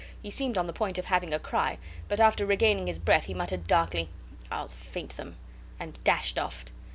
He seemed on the point of having a cry, but after regaining his breath he muttered darkly, "I'll faint them," and dashed off.